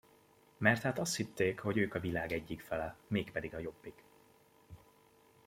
Mert hát azt hitték, hogy ők a világ egyik fele, mégpedig a jobbik.